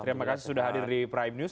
terima kasih sudah hadir di prime news